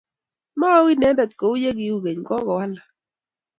Mau inendet kou ye kiu keny, kogowalak.